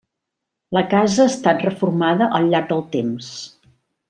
La casa ha estat reformada al llarg del temps.